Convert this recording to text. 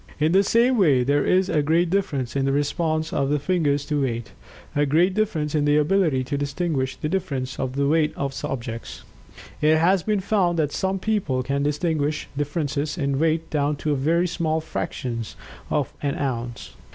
In the same way, there is a great difference in the response of the fingers to weight a great difference in the ability to distinguish the difference of the weight of objects. It has been found that some people can distinguish differences in weight down to very small fractions of an ounce.